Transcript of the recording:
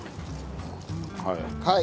はい。